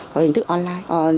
có hình thức online